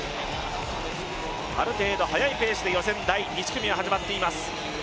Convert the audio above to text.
ある程度速いペースで予選第１組が始まっています。